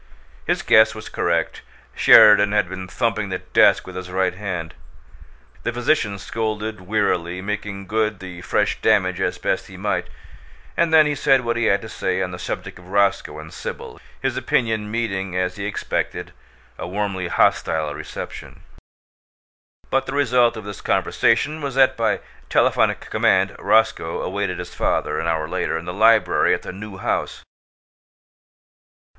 His guess was correct: Sheridan had been thumping the desk with his right hand. The physician scolded wearily, making good the fresh damage as best he might; and then he said what he had to say on the subject of Roscoe and Sibyl, his opinion meeting, as he expected, a warmly hostile reception. But the result of this conversation was that by telephonic command Roscoe awaited his father, an hour later, in the library at the New House.